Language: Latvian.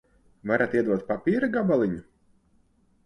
Varat iedot papīra gabaliņu?